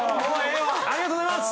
ありがとうございます。